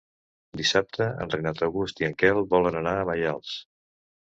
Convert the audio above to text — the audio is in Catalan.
Dissabte en Renat August i en Quel volen anar a Maials.